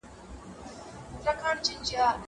زه هره ورځ لیکل کوم.